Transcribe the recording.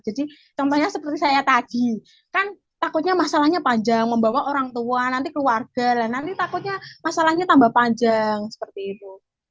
jadi contohnya seperti saya tadi kan takutnya masalahnya panjang membawa orang tua nanti keluarga nanti takutnya masalahnya tambah panjang seperti itu